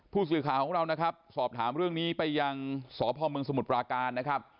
ผู้สื่อข่าวของเรานะครับสอบถามเรื่องนี้ไปยังสพมสมุทรปราการนะครับ